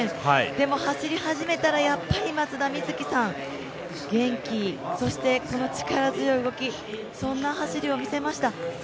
でも走り始めたらやっぱり松田瑞生さん、元気、そして力強い動きそんな走りを見せました。